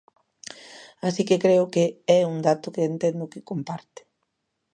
Así que creo que é un dato que entendo que comparte.